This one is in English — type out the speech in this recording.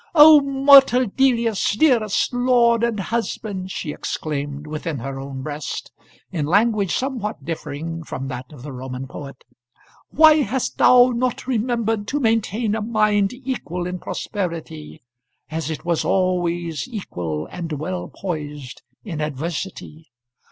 "O mortal Delius, dearest lord and husband!" she exclaimed within her own breast, in language somewhat differing from that of the Roman poet, "why hast thou not remembered to maintain a mind equal in prosperity as it was always equal and well poised in adversity?